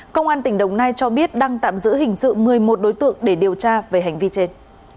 công an tỉnh đồng nai cho biết đang tạm giữ hình sự một mươi một đối tượng để điều tra về hành vi trên